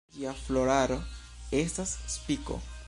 Ĝia floraro estas spiko.